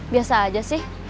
biasa aja sih